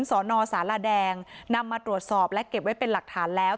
สอนอสารแดงนำมาตรวจสอบและเก็บไว้เป็นหลักฐานแล้ว